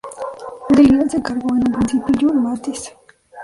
Del guion se encargó en un principio June Mathis.